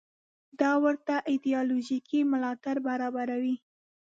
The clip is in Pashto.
دا ورته ایدیالوژیکي ملاتړ برابروي.